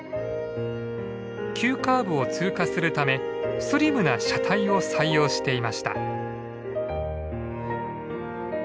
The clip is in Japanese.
急カーブを通過するためスリムな車体を採用していました。